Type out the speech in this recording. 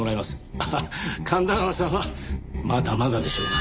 ああ神田川さんはまだまだでしょうが。